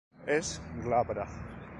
Es glabra.